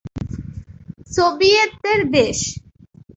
সোভিয়েতদের দেশ।